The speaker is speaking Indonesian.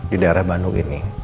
di daerah bandung ini